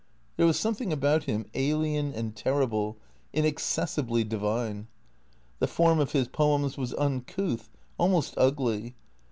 There was something about him alien and terrible, inaccessibly divine. The form of his poems was uncouth, almost ugly.